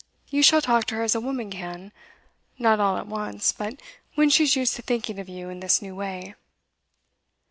You shall talk to her as a woman can; not all at once, but when she's used to thinking of you in this new way.